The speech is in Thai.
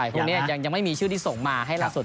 พวกนี้ยังไม่มีชื่อที่ส่งมาให้ล่าสุด